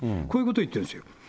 こういうこと言ってるんですよ。